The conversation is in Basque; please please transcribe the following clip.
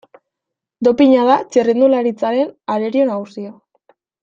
Dopina da txirrindularitzaren arerio nagusia.